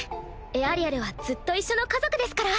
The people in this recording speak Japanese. エアリアルはずっと一緒の家族ですから。